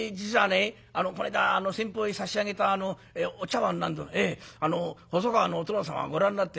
この間先方へ差し上げたあのお茶碗細川のお殿様がご覧になってね